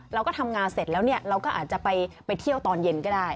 เราก็ทำงานเสร็จแล้วเนี่ยเราก็อาจจะไปเที่ยวตอนเย็นก็ได้